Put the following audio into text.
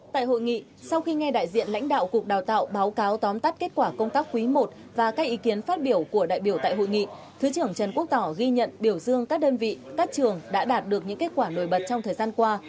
tại hội nghị sau khi nghe đại diện lãnh đạo cục đào tạo báo cáo tóm tắt kết quả công tác quý i và các ý kiến phát biểu của đại biểu tại hội nghị thứ trưởng trần quốc tỏ ghi nhận biểu dương các đơn vị các trường đã đạt được những kết quả nổi bật trong thời gian qua